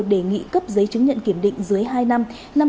đề nghị cấp giấy chứng nhận kiểm định dưới hai năm